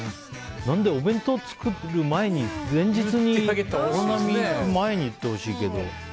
お弁当を作る前に前日に、お花見行く前に言ってほしいけど。